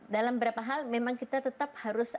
dalam beberapa hal memang kita tetap harus